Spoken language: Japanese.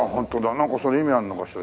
なんかそれ意味あるのかしら？